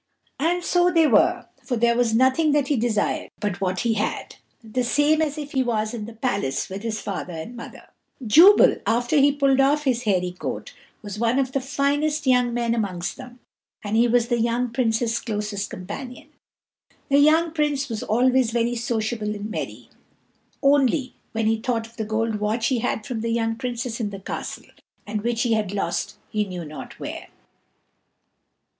And so they were, for there was nothing that he desired but what he had, the same as if he was in the palace with his father and mother. Jubal, after he pulled off his hairy coat, was one of the finest young men amongst them, and he was the young Prince's closest companion. The young Prince was always very sociable and merry, only when he thought of the gold watch he had from the young Princess in the castle, and which he had lost he knew not where.